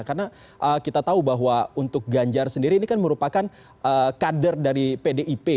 karena kita tahu bahwa untuk ganjar sendiri ini kan merupakan kader dari pdip